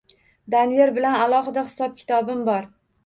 Denver bilan alohida hisob-kitobim bor